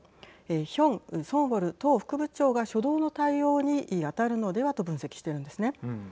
ヒョン・ソンウォル党副部長が初動の対応に当たるのではと分析しているんですね。